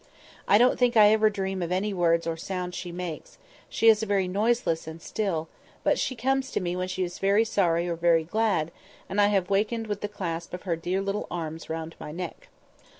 I don't think I ever dream of any words or sound she makes; she is very noiseless and still, but she comes to me when she is very sorry or very glad, and I have wakened with the clasp of her dear little arms round my neck.